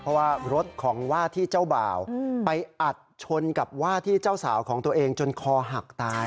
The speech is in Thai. เพราะว่ารถของว่าที่เจ้าบ่าวไปอัดชนกับว่าที่เจ้าสาวของตัวเองจนคอหักตาย